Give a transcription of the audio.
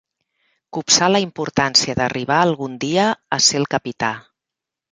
Copsà la importància d'arribar algun dia a ser el capità.